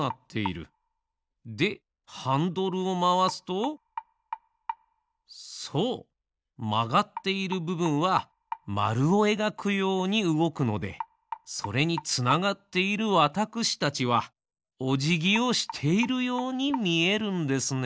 でハンドルをまわすとそうまがっているぶぶんはまるをえがくようにうごくのでそれにつながっているわたくしたちはおじぎをしているようにみえるんですね。